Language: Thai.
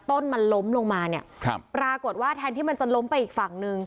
ต้นมันล้มลงมาเนี่ยครับปรากฏว่าแทนที่มันจะล้มไปอีกฝั่งหนึ่ง